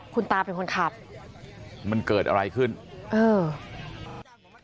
คุณตาเป็นคนขับมันเกิดอะไรขึ้นเออ